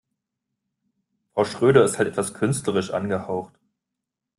Frau Schröder ist halt etwas künstlerisch angehaucht.